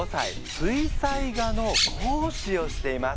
水彩画の講師をしています。